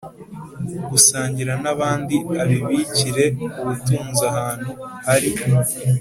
Gusangira n abandi a bibikire ubutunzi ahantu hari